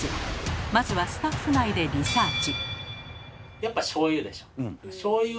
まずはスタッフ内でリサーチ。